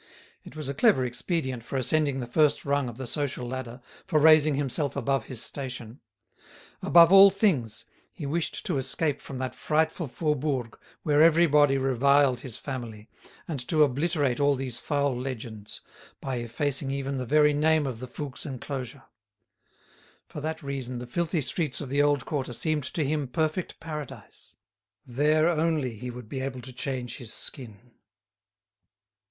It was a clever expedient for ascending the first rung of the social ladder, for raising himself above his station. Above all things, he wished to escape from that frightful Faubourg where everybody reviled his family, and to obliterate all these foul legends, by effacing even the very name of the Fouques' enclosure. For that reason the filthy streets of the old quarter seemed to him perfect paradise. There, only, he would be able to change his skin.